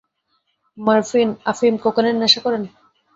Morphine, আফিম, কোকেনের নেশা করেন?